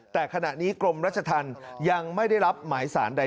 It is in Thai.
แต่ขณะนี้กรมรัชธรรมยังไม่ได้รับหมายสารใด